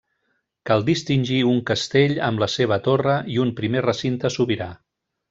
Cal distingir un castell amb la seva torre i un primer recinte sobirà.